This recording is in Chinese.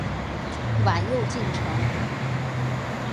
晚又进城。